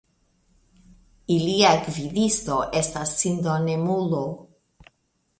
Ilia gvidisto estas "sindonemulo".